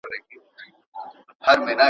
د ماشومو اړیکې په دوامداره توګه وده کوي.